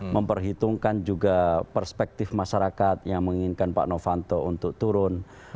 memperhitungkan juga perspektif masyarakat yang menginginkan pak novanto untuk turun